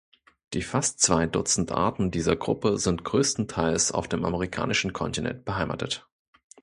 Die fast zwei Dutzend Arten dieser Gruppe sind größtenteils auf dem amerikanischen Kontinent beheimatet.